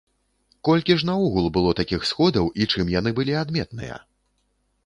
Колькі ж наогул было такіх сходаў і чым яны былі адметныя?